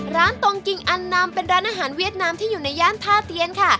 ตรงกิ่งอันนำเป็นร้านอาหารเวียดนามที่อยู่ในย่านท่าเตียนค่ะ